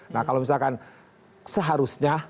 nah kalau misalkan seharusnya